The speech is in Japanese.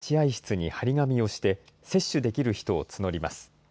待合室に貼り紙をして、接種できる人を募ります。